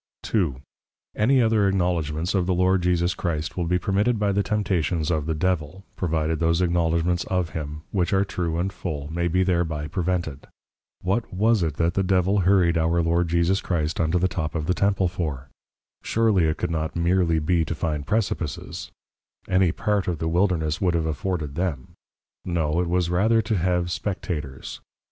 _ II. Any other acknowledgments of the Lord Jesus Christ, will be permitted by the Temptations of the Devil, provided those Acknowledgments of him, which are True and Full, may be thereby prevented. What was it, that the Devil hurried our Lord Jesus Christ unto the Top of the Temple for? Surely it could not meerly be to find Precipices; any part of the Wilderness would have afforded Them. No, it was rather to have Spectators.